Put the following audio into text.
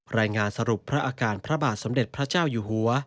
รายงานสรุปพระอาการพระบาทสมเด็จพระเจ้าอยู่หัว